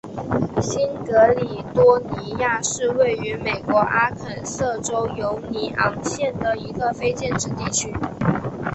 新喀里多尼亚是位于美国阿肯色州犹尼昂县的一个非建制地区。